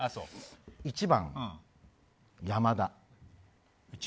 １番、山田。